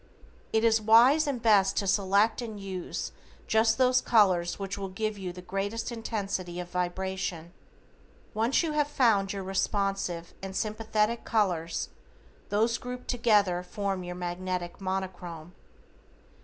It is wise and best to select and use just those colors which will give the greatest intensity of vibration. Once you have found your responsive and sympathetic colors, those grouped together form your Magnetic Monochrome.